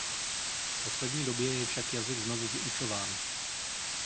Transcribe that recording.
V poslední době je však jazyk znovu vyučován.